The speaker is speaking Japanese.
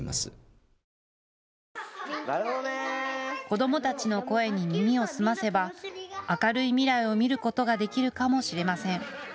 子どもたちの声に耳を澄ませば明るい未来を見ることができるかもしれません。